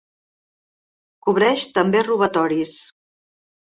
Cobreix també robatoris.